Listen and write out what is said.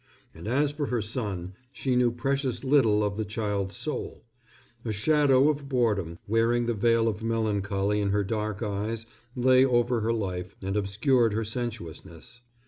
And as for her son, she knew precious little of the child's soul. A shadow of boredom, wearing the veil of melancholy in her dark eyes, lay over her life and obscured her sensuousness.